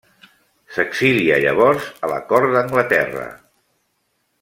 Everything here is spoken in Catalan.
S'exilia llavors a la cort d'Anglaterra.